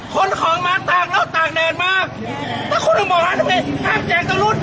คนของมาตากแล้วตากแดนมากแล้วคนที่บอกว่าทำไงห้ามแจกตรงรุ่น